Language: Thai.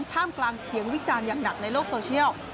ท่ามกลางเสียงวิจารณ์อย่างหนักในโลกโซเชียล